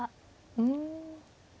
うん。